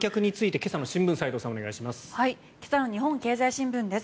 今朝の日本経済新聞です。